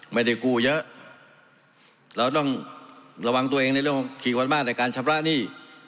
ไม่ได้กู้เยอะเราต้องระวังตัวเองในเรื่องของขี่วันมากในการชำระหนี้